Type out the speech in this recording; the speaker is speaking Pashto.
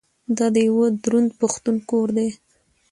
دا د یوه دروند پښتون کور دی.